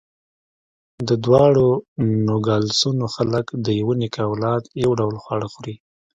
د دواړو نوګالسونو خلک د یوه نیکه اولاد، یو ډول خواړه خوري.